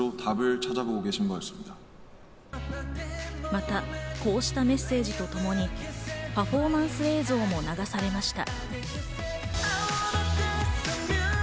また、こうしたメッセージとともにパフォーマンス映像も流されました。